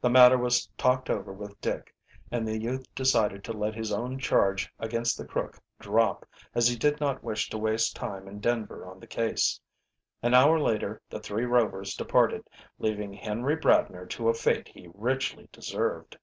The matter was talked over with Dick, and the youth decided to let his own charge against the crook drop, as he did not wish to waste time in Denver on the case. An hour later the three Rovers departed, leaving Henry Bradner to a fate he richly deserved.